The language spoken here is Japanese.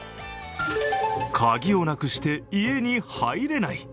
鍵をなくして家に入れない。